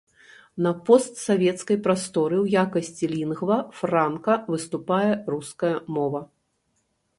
На постсавецкай прасторы ў якасці лінгва франка выступае руская мова.